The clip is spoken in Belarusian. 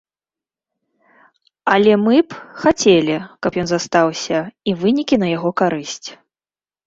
Але мы б хацелі, каб ён застаўся, і вынікі на яго карысць.